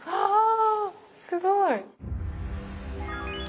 すごい。